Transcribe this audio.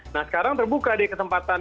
nah sekarang terbuka di kesempatan